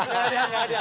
gak ada gak ada